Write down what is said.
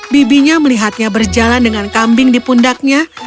bibinya melihatnya berjalan dengan kambing di pundaknya